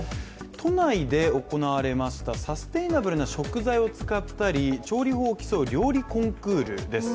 都内で行われましたサステイナブルな食材を使ったり調理法を競う料理コンクールです。